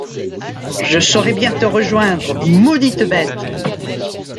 Je saurai bien te rejoindre, maudite bête!